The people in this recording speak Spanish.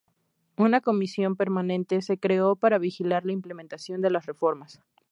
Una comisión permanente se creó para vigilar la implementación de las reformas.